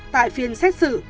tại phiên xét xử